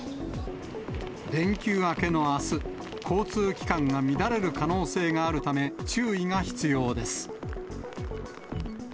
連休明けのあす、交通機関が乱れる可能性があるため、注意が必要です。